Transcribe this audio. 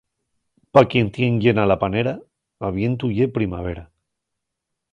Pa quien tien llena la panera, avientu ye primavera.